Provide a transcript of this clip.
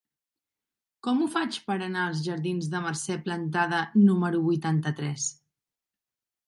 Com ho faig per anar als jardins de Mercè Plantada número vuitanta-tres?